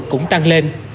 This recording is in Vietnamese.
cũng tăng lên